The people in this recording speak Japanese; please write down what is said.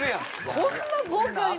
こんな豪快に？